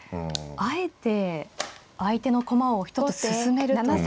あえて相手の駒を一つ進めるという。